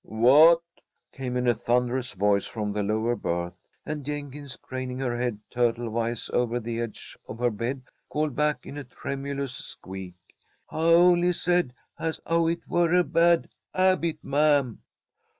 "What?" came in a thunderous voice from the lower berth, and Jenkins, craning her head turtle wise over the edge of her bed, called back in a tremulous squeak: "Hi honly said as 'ow hit were a bad 'abit, ma'am!"